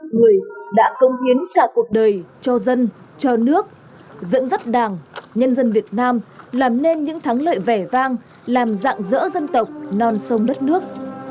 người đã công hiến cả cuộc đời cho dân cho nước dẫn dắt đảng nhân dân việt nam làm nên những thắng lợi vẻ vang làm dạng dỡ dân tộc non sông đất nước